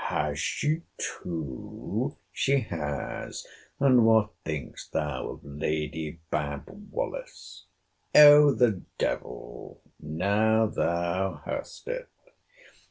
—Has she two? She has. And what thinkest thou of Lady Bab. Wallis? O the devil! Now thou hast it.